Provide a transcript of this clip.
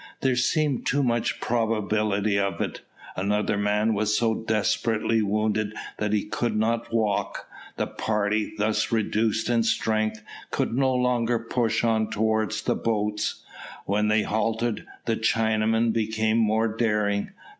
There seemed too much probability of it. Another man was so desperately wounded that he could not walk. The party, thus reduced in strength, could no longer push on towards the boats. When they halted, the Chinamen became more daring.